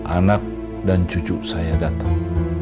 anak dan cucu saya datang